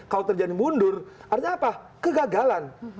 kalau terjadi mundur artinya apa kegagalan